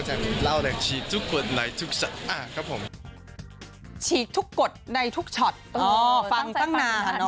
ฟังตั้งนาน